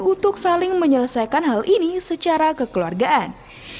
untuk saling menyelesaikan hal ini secara kekeluargaan